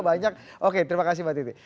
banyak oke terima kasih mbak titi